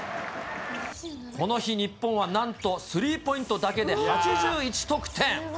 この日、日本はなんとスリーポイントだけで８１得点。